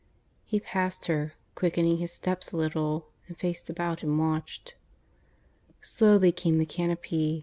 ... He passed her, quickening his steps a little; then faced about and watched. Slowly came the canopy.